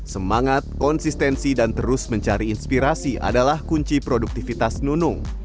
semangat konsistensi dan terus mencari inspirasi adalah kunci produktivitas nunung